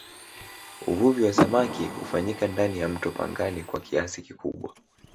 uvuvi wa samaki hufanyika ndani ya mto pangani kwa kiasi kikubwa